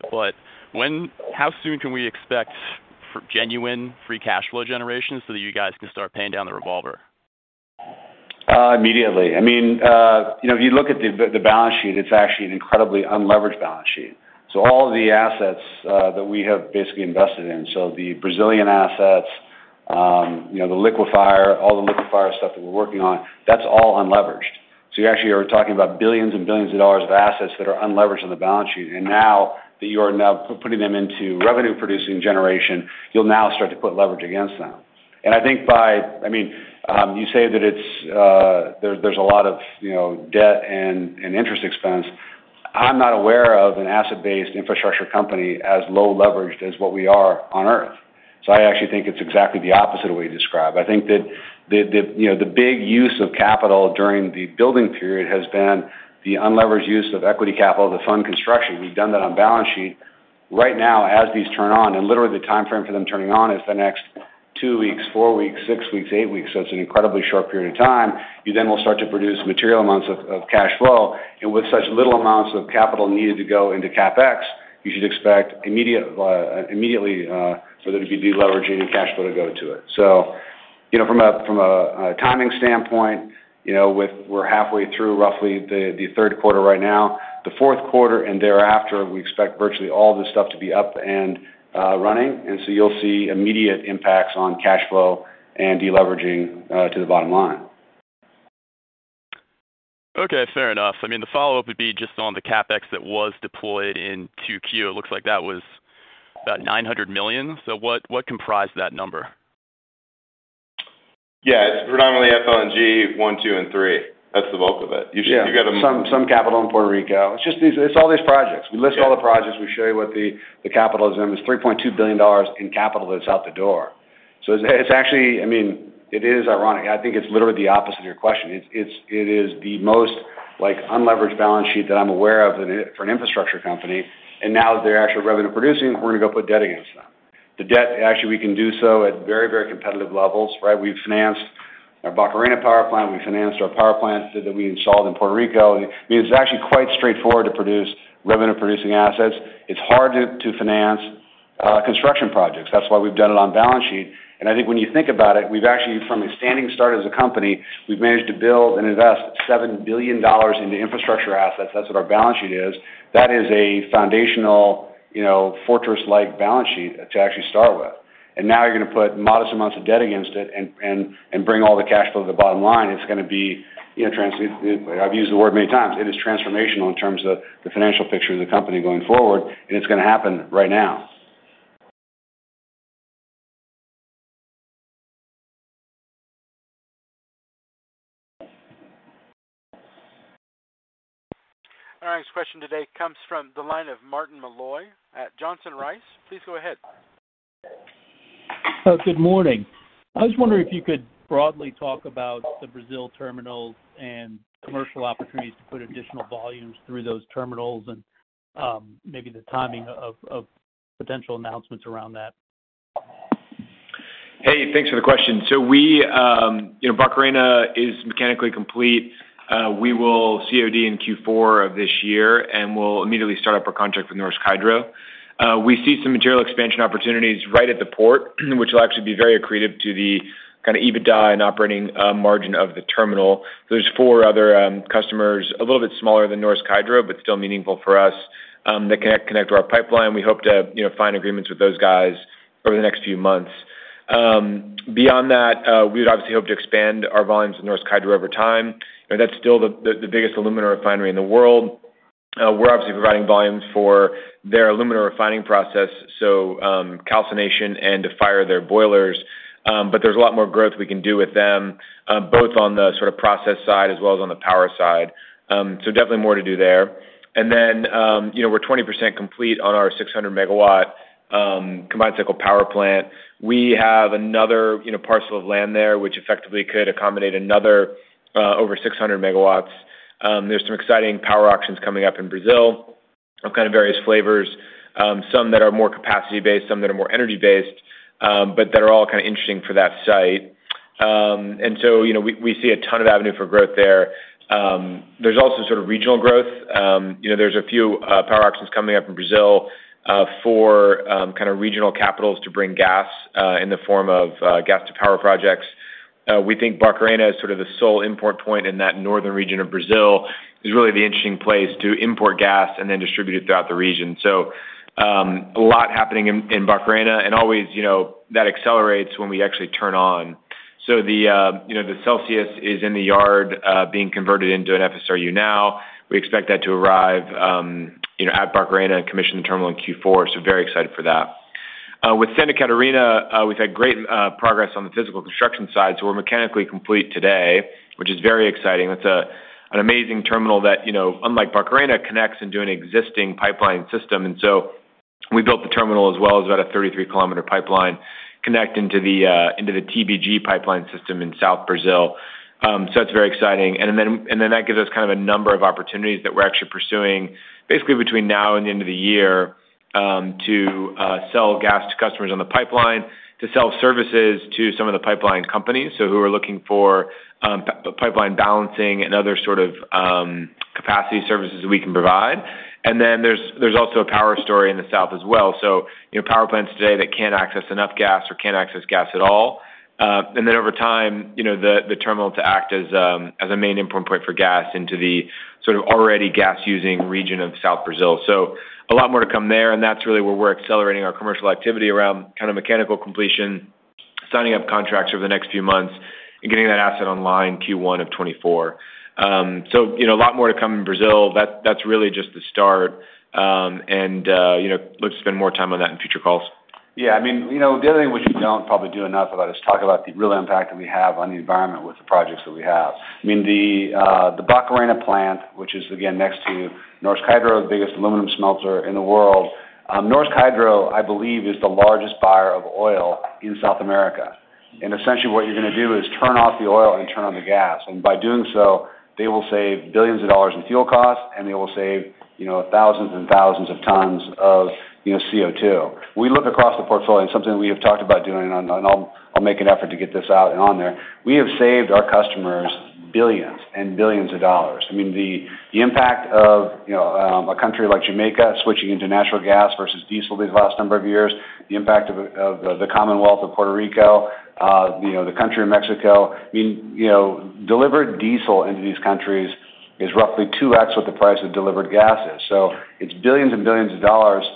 How soon can we expect for genuine free cash flow generation so that you guys can start paying down the revolver? Immediately. I mean, you know, if you look at the balance sheet, it's actually an incredibly unleveraged balance sheet. All the assets that we have basically invested in, so the Brazilian assets, you know, the liquefier, all the liquefier stuff that we're working on, that's all unleveraged. You actually are talking about $billions and $billions of assets that are unleveraged on the balance sheet. Now that you are now putting them into revenue-producing generation, you'll now start to put leverage against them. I mean, you say that it's, there, there's a lot of, you know, debt and interest expense. I'm not aware of an asset-based infrastructure company as low leveraged as what we are on Earth. I actually think it's exactly the opposite of what you described. I think that, you know, the big use of capital during the building period has been the unlevered use of equity capital to fund construction. We've done that on balance sheet. Right now, as these turn on, literally the timeframe for them turning on is the next two weeks, four weeks, six weeks, eight weeks, so it's an incredibly short period of time, you then will start to produce material amounts of cash flow. With such little amounts of capital needed to go into CapEx, you should expect immediate, immediately, for there to be deleveraging and cash flow to go to it. You know, from a timing standpoint, you know, with we're halfway through roughly the third quarter right now. The fourth quarter and thereafter, we expect virtually all this stuff to be up and running, and so you'll see immediate impacts on cash flow and deleveraging to the bottom line. Okay, fair enough. I mean, the follow-up would be just on the CapEx that was deployed in 2Q. It looks like that was about $900 million. What, what comprised that number? Yeah, it's predominantly FLNG 1, 2, and 3. That's the bulk of it. You should- Yeah. You got. Some capital in Puerto Rico. It's just all these projects. Yeah. We list all the projects, we show you what the capital is in. There's $3.2 billion in capital that's out the door. It's actually... I mean, it is ironic. I think it's literally the opposite of your question. It is the most, like, unlevered balance sheet that I'm aware of in, for an infrastructure company, and now they're actually revenue-producing, we're gonna go put debt against them. The debt, actually, we can do so at very, very competitive levels, right? We've financed our Barcarena power plant, we've financed our power plants that we installed in Puerto Rico. I mean, it's actually quite straightforward to produce revenue-producing assets. It's hard to finance construction projects. That's why we've done it on balance sheet. I think when you think about it, we've actually, from a standing start as a company, we've managed to build and invest $7 billion into infrastructure assets. That's what our balance sheet is. That is a foundational, you know, fortress-like balance sheet to actually start with. Now you're gonna put modest amounts of debt against it and bring all the cash flow to the bottom line. It's gonna be, you know, I've used the word many times. It is transformational in terms of the financial picture of the company going forward, and it's gonna happen right now. Our next question today comes from the line of Martin Malloy at Johnson Rice. Please go ahead. Good morning. I was wondering if you could broadly talk about the Brazil terminals and commercial opportunities to put additional volumes through those terminals and maybe the timing of potential announcements around that. Hey, thanks for the question. We, you know, Barcarena is mechanically complete. We will COD in Q4 of this year, and we'll immediately start up our contract with Norsk Hydro. We see some material expansion opportunities right at the port, which will actually be very accretive to the kind of EBITDA and operating margin of the terminal. There's four other customers, a little bit smaller than Norsk Hydro, but still meaningful for us, that connect, connect to our pipeline. We hope to, you know, find agreements with those guys over the next few months. Beyond that, we'd obviously hope to expand our volumes with Norsk Hydro over time. That's still the, the biggest alumina refinery in the world. We're obviously providing volumes for their alumina refining process, so calcination and to fire their boilers. There's a lot more growth we can do with them, both on the sort of process side as well as on the power side. Definitely more to do there. You know, we're 20% complete on our 600 MW combined cycle power plant. We have another, you know, parcel of land there, which effectively could accommodate another over 600 MW. There's some exciting power auctions coming up in Brazil, of kind of various flavors, some that are more capacity-based, some that are more energy-based, that are all kind of interesting for that site. You know, we, we see a ton of avenue for growth there. There's also sort of regional growth. You know, there's a few power auctions coming up in Brazil, for kind of regional capitals to bring gas, in the form of gas to power projects. We think Barcarena is sort of the sole import point in that northern region of Brazil. It's really the interesting place to import gas and then distribute it throughout the region. A lot happening in Barcarena, and always, you know, that accelerates when we actually turn on. The, you know, the Celsius is in the yard, being converted into an FSRU now. We expect that to arrive, you know, at Barcarena and commission the terminal in Q4. Very excited for that. With Santa Catarina, we've had great progress on the physical construction side, so we're mechanically complete today, which is very exciting. That's an amazing terminal that, you know, unlike Barcarena, connects into an existing pipeline system. We built the terminal as well as about a 33-km pipeline connecting to the into the TBG pipeline system in South Brazil. That's very exciting. That gives us kind of a number of opportunities that we're actually pursuing, basically between now and the end of the year, to sell gas to customers on the pipeline, to sell services to some of the pipeline companies, so who are looking for pipeline balancing and other sort of capacity services we can provide. There's, there's also a power story in the south as well. you know, power plants today that can't access enough gas or can't access gas at all, and then over time, you know, the, the terminal to act as, as a main import point for gas into the sort of already gas-using region of South Brazil. A lot more to come there, and that's really where we're accelerating our commercial activity around kind of mechanical completion, signing up contracts over the next few months, and getting that asset online Q1 of 2024. you know, a lot more to come in Brazil. That, that's really just the start.... and, you know, let's spend more time on that in future calls. Yeah, I mean, you know, the other thing which we don't probably do enough about is talk about the real impact that we have on the environment with the projects that we have. I mean, the Barcarena plant, which is again next to Norsk Hydro, the biggest aluminum smelter in the world. Norsk Hydro, I believe, is the largest buyer of oil in South America. Essentially, what you're going to do is turn off the oil and turn on the gas. By doing so, they will save billions of dollars in fuel costs, and they will save, you know, thousands and thousands of tons of, you know, CO2. We look across the portfolio and something we have talked about doing, and I'll make an effort to get this out and on there. We have saved our customers billions and billions of dollars. I mean, the, the impact of, you know, a country like Jamaica switching into natural gas versus diesel these last number of years, the impact of, of the Commonwealth of Puerto Rico, you know, the country of Mexico. I mean, you know, delivered diesel into these countries is roughly 2x what the price of delivered gas is. It's $billions and $billions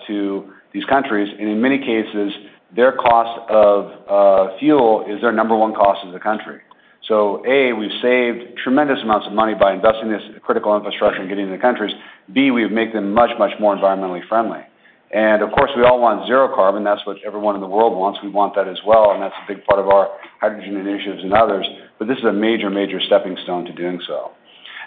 to these countries, and in many cases, their cost of fuel is their number one cost as a country. A, we've saved tremendous amounts of money by investing this critical infrastructure and getting into the countries. B, we've made them much, much more environmentally friendly. Of course, we all want zero carbon. That's what everyone in the world wants. We want that as well, and that's a big part of our hydrogen initiatives and others. This is a major, major stepping stone to doing so.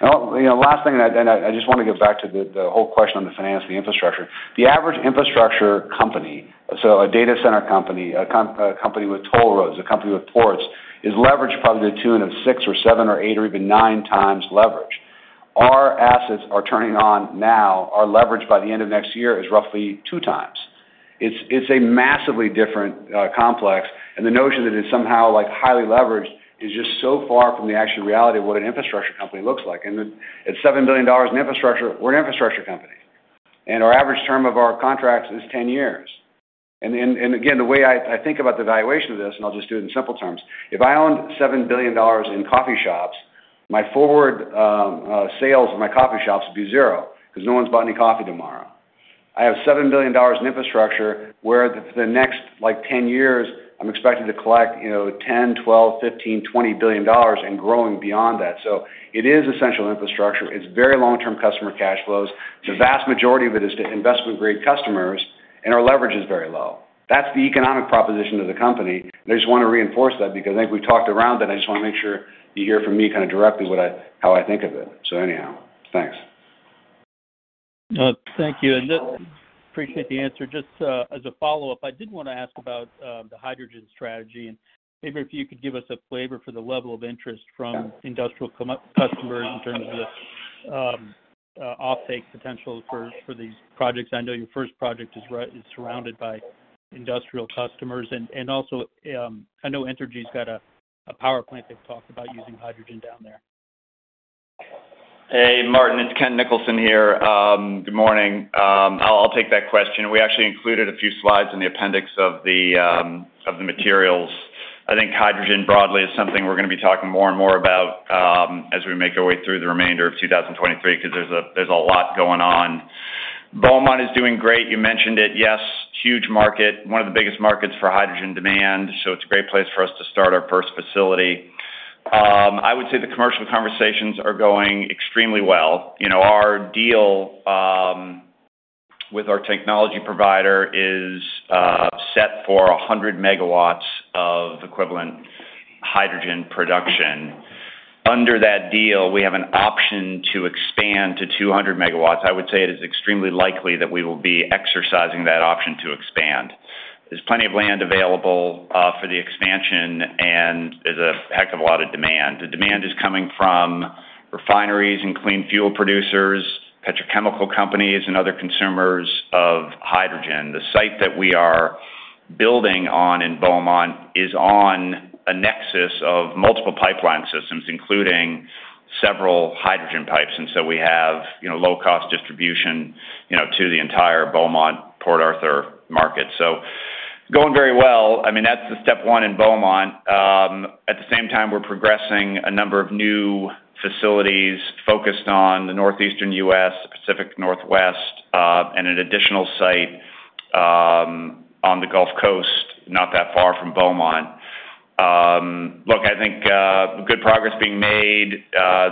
You know, last thing, I just want to get back to the whole question on the finance, the infrastructure. The average infrastructure company, so a data center company, a company with toll roads, a company with ports, is leveraged probably to the tune of six or seven or eight or even nine times leverage. Our assets are turning on now. Our leverage by the end of next year is roughly 2 times. It's a massively different complex, and the notion that it's somehow, like, highly leveraged is just so far from the actual reality of what an infrastructure company looks like. It's $7 billion in infrastructure. We're an infrastructure company, and our average term of our contracts is 10 years. Again, the way I, I think about the valuation of this, and I'll just do it in simple terms: If I owned $7 billion in coffee shops, my forward sales in my coffee shops would be zero because no one's buying any coffee tomorrow. I have $7 billion in infrastructure, where the next, like, 10 years, I'm expected to collect, you know, $10 billion, $12 billion, $15 billion, $20 billion and growing beyond that. It is essential infrastructure. It's very long-term customer cash flows. The vast majority of it is to investment-grade customers, and our leverage is very low. That's the economic proposition of the company. I just want to reinforce that because I think we talked around it. I just want to make sure you hear from me kind of directly how I think of it. Anyhow, thanks. Thank you. I appreciate the answer. Just as a follow-up, I did want to ask about the hydrogen strategy, and maybe if you could give us a flavor for the level of interest from industrial customers in terms of offtake potential for these projects. I know your first project is surrounded by industrial customers, also, I know Entergy's got a power plant that talked about using hydrogen down there. Hey, Martin, it's Ken Nicholson here. Good morning. I'll, I'll take that question. We actually included a few slides in the appendix of the materials. I think hydrogen broadly is something we're going to be talking more and more about, as we make our way through the remainder of 2023, because there's a, there's a lot going on. Beaumont is doing great. You mentioned it. Yes, huge market, one of the biggest markets for hydrogen demand, so it's a great place for us to start our first facility. I would say the commercial conversations are going extremely well. You know, our deal with our technology provider is set for 100 MW of equivalent hydrogen production. Under that deal, we have an option to expand to 200 MW. I would say it is extremely likely that we will be exercising that option to expand. There's plenty of land available for the expansion, and there's a heck of a lot of demand. The demand is coming from refineries and clean fuel producers, petrochemical companies, and other consumers of hydrogen. The site that we are building on in Beaumont is on a nexus of multiple pipeline systems, including several hydrogen pipes, and so we have, you know, low-cost distribution, you know, to the entire Beaumont-Port Arthur market. Going very well. I mean, that's the step one in Beaumont. At the same time, we're progressing a number of new facilities focused on the northeastern US, Pacific Northwest, and an additional site on the Gulf Coast, not that far from Beaumont. Look, I think good progress being made.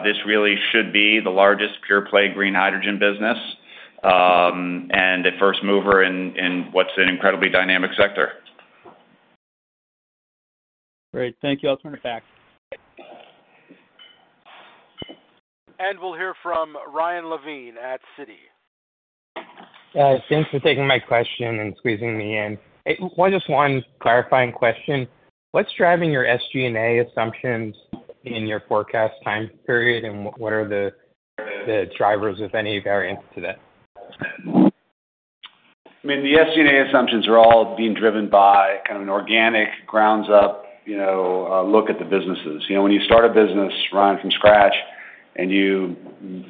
This really should be the largest pure-play green hydrogen business, and a first mover in, in what's an incredibly dynamic sector. Great. Thank you. I'll turn it back. We'll hear from Ryan Levine at Citi. Thanks for taking my question and squeezing me in. Well, just one clarifying question. What's driving your SG&A assumptions in your forecast time period, and what are the drivers of any variance to that? I mean, the SG&A assumptions are all being driven by kind of an organic, ground up, you know, look at the businesses. You know, when you start a business, Ryan, from scratch and you,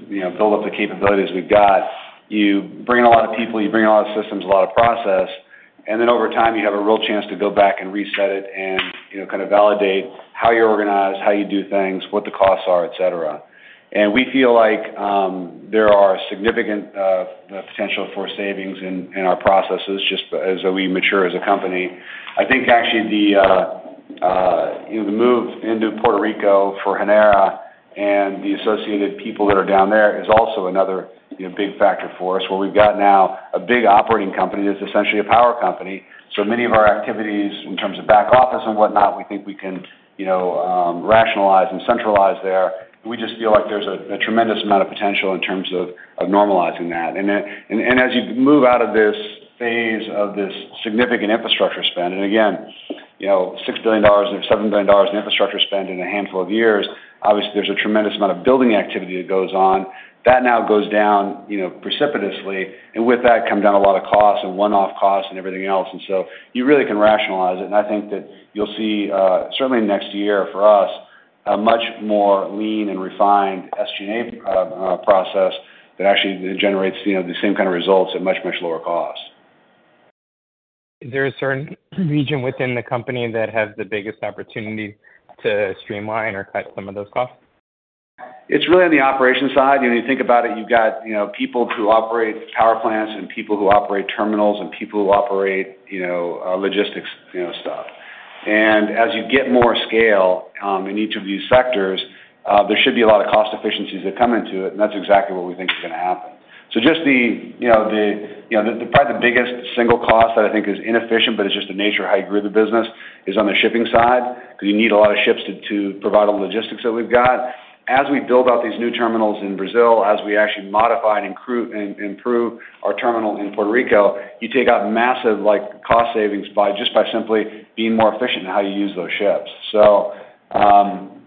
you know, build up the capabilities we've got, you bring a lot of people, you bring a lot of systems, a lot of process, and then over time, you have a real chance to go back and reset it and, you know, kind of validate how you're organized, how you do things, what the costs are, et cetera. We feel like, there are significant potential for savings in, in our processes, just as we mature as a company. I think actually the. The move into Puerto Rico for Genera PR and the associated people that are down there is also another, you know, big factor for us, where we've got now a big operating company that's essentially a power company. Many of our activities in terms of back office and whatnot, we think we can, you know, rationalize and centralize there. We just feel like there's a tremendous amount of potential in terms of normalizing that. As you move out of this phase of this significant infrastructure spend, and again, you know, $6 billion, $7 billion in infrastructure spend in a handful of years, obviously, there's a tremendous amount of building activity that goes on. That now goes down, you know, precipitously, and with that, come down a lot of costs and one-off costs and everything else. You really can rationalize it. I think that you'll see, certainly next year for us, a much more lean and refined SG&A process that actually generates, you know, the same kind of results at much, much lower cost. Is there a certain region within the company that has the biggest opportunity to streamline or cut some of those costs? It's really on the operation side. When you think about it, you've got, you know, people who operate power plants and people who operate terminals and people who operate, you know, logistics, you know, stuff. As you get more scale, in each of these sectors, there should be a lot of cost efficiencies that come into it, and that's exactly what we think is going to happen. Just the, you know, the, you know, probably the biggest single cost that I think is inefficient, but it's just the nature of how you grew the business, is on the shipping side, because you need a lot of ships to, to provide all the logistics that we've got. As we build out these new terminals in Brazil, as we actually modify and crew and improve our terminal in Puerto Rico, you take out massive, like, cost savings by just by simply being more efficient in how you use those ships.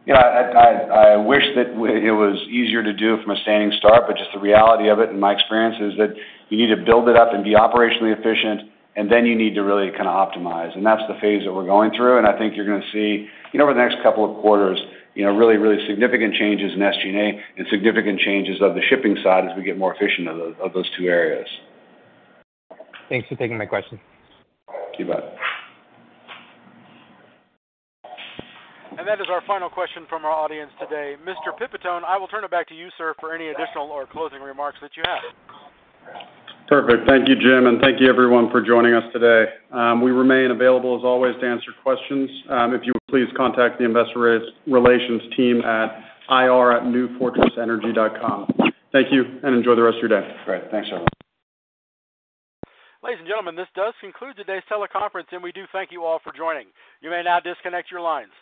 You know, I, I, I wish that it was easier to do from a standing start, but just the reality of it, in my experience, is that you need to build it up and be operationally efficient, and then you need to really kind of optimize. That's the phase that we're going through. I think you're going to see, you know, over the next couple of quarters, you know, really, really significant changes in SG&A and significant changes of the shipping side as we get more efficient of those, of those two areas. Thanks for taking my question. You bet. That is our final question from our audience today. Mr. Pipitone, I will turn it back to you, sir, for any additional or closing remarks that you have. Perfect. Thank you, Jim. Thank you, everyone, for joining us today. We remain available as always, to answer questions. If you would please contact the investor relations team at ir@newfortressenergy.com. Thank you. Enjoy the rest of your day. Great. Thanks, everyone. Ladies and gentlemen, this does conclude today's teleconference. We do thank you all for joining. You may now disconnect your lines.